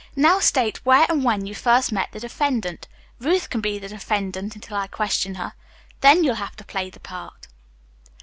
Now, state where and when you first met the defendant. Ruth can be the defendant until I question her. Then you'll have to play the part."